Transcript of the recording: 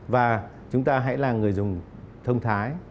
và chúng ta hãy là người dùng thông thái